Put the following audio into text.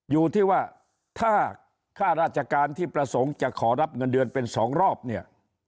อยู่ที่ว่าถ้าค่าราชการที่ประสงค์จะขอรับเงินเดือนเป็น๒รอบเนี่ย